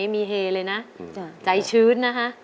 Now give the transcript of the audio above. ที่กลับมานะ